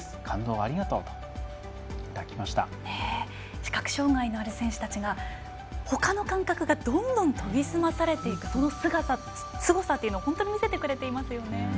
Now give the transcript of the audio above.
視覚障がい者のある選手たちがほかの感覚がどんどん研ぎ澄まされていくそのすごさを本当に見せてくれていますよね。